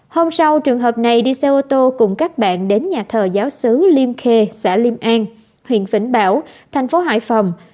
hôm sau trường hợp này đi xe ô tô cùng các bạn đến nhà thờ giáo sứ liêm khê xã liêm an huyện vĩnh bảo thành phố hải phòng